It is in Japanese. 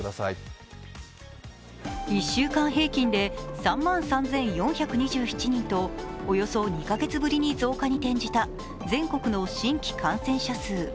１週間平均で３万３４２７人とおよそ２カ月ぶりに増加に転じた全国の新規感染者数。